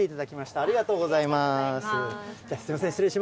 ありがとうございます。